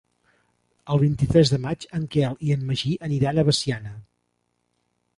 El vint-i-tres de maig en Quel i en Magí aniran a Veciana.